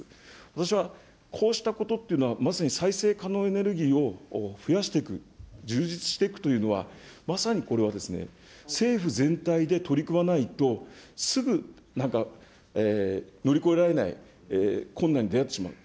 私はこうしたことっていうのは、まさに再生可能エネルギーを増やしていく、充実していくというのは、まさにこれは政府全体で取り組まないと、すぐなんか、乗り越えられない困難に出会ってしまう、